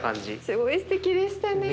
すごいすてきでしたね。